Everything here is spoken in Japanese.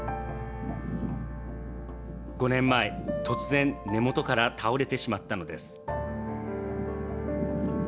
５年前、突然根元から倒れてしまったのです。